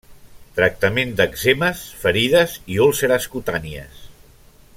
Tractament d'èczemes, ferides i úlceres cutànies.